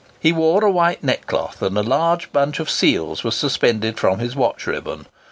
He wore a white neckcloth, and a large bunch of seals was suspended from his watch ribbon.